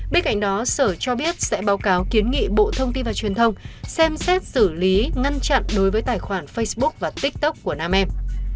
bên cạnh đó sở cho biết sẽ báo cáo kiến nghị bộ thông tin và truyền thông xem xét xử lý ngăn chặn đối với tài khoản facebook và tiktok của nam em